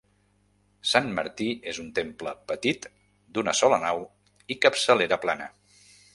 Sant Martí és un temple petit, d'una sola nau i capçalera plana.